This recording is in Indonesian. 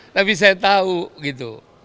tapi saya tahu gitu